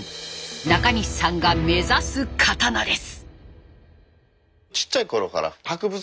中西さんが目指す刀です。